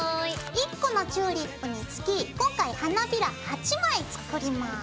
１個のチューリップにつき今回花びら８枚作ります。